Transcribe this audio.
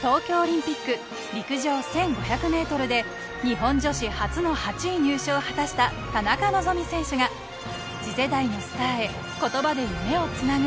東京オリンピック陸上１５００メートルで日本女子初の８位入賞を果たした田中希実選手が次世代のスターへ言葉で夢をつなぐ。